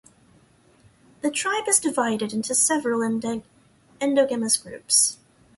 The tribe is divided into several endogamous groups.